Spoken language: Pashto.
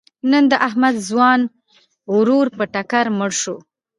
نن د احمد ځوان ورور په ټکر مړ شو.